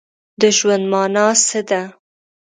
د ژوند مانا څه ده؟